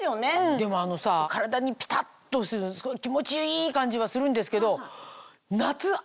でも体にピタっとしてすごい気持ちいい感じはするんですけど。